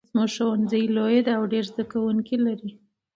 زمونږ ښوونځی لوی ده او ډېر زده کوونکي لري